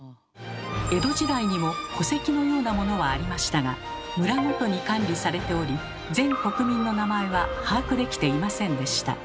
江戸時代にも戸籍のようなものはありましたが村ごとに管理されており全国民の名前は把握できていませんでした。